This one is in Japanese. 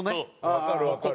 わかるわかる。